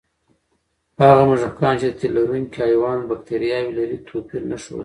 هغه موږکان چې د تیلرونکي حیوان بکتریاوې لري، توپیر نه ښود.